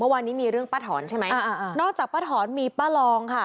วันนี้มีเรื่องป้าถอนใช่ไหมอ่านอกจากป้าถอนมีป้ารองค่ะ